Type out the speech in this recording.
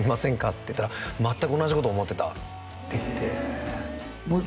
って言ったら「全く同じこと思ってた」って言ってもう